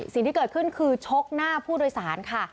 สิ่งที่เกิดขึ้นคือชกหน้าผู้โดยสารค่ะ